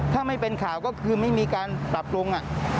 ถ้าไม่เป็นข่าวก็คือไม่มีการปรับปรุง